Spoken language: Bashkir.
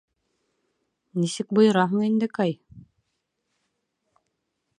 Нисек бойораһың инде, Кай.